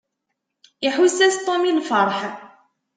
Iḥuss-as Tom i lfeṛḥ.